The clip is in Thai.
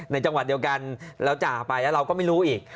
จังหวัดเดียวกันเราจ่าไปแล้วเราก็ไม่รู้อีก